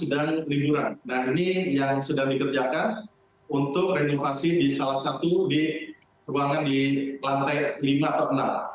jadi ini yang sudah dikerjakan untuk renovasi di salah satu ruangan di lantai lima atau enam